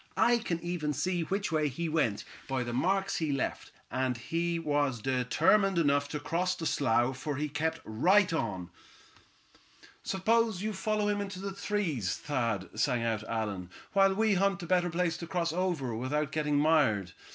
I can even see which way he went, by the marks he left; and he was determined enough to cross the slough, for he kept right on." "Suppose you follow him in the trees, Thad," sang out Allan, "while we hunt a better place to cross over without getting mired.